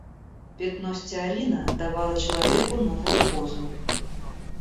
Пятно стеарина давало человеку новую позу.